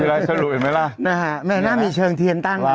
มีไรน์ชะรุเห็นมั้ยล่ะนะคะแม่น่ามีเชิงเทียนตั้ง